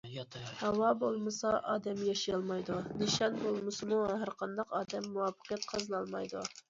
ھاۋا بولمىسا ئادەم ياشىيالمايدۇ، نىشان بولمىسىمۇ، ھەرقانداق ئادەم مۇۋەپپەقىيەت قازىنالمايدۇ.